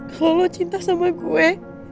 kalau cinta sama gue